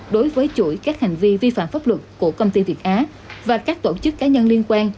đối với chuỗi các hành vi vi phạm pháp luật của công ty việt á và các tổ chức cá nhân liên quan